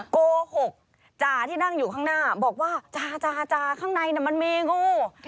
โกหกจ่าที่นั่งอยู่ข้างหน้าบอกว่าจ่าข้างในมันมีงู